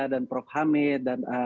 dan prof hamid dan